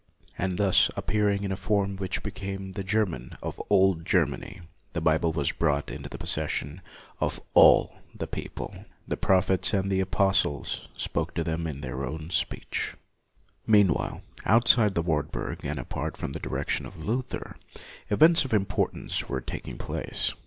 And thus appear ing in a form which became the German of old Germany, the Bible was brought into the possession of all the people. The prophets and apostles spoke to them in their own speech. Meanwhile, outside the Wartburg, and apart from the direction of Luther, events of importance were taking place.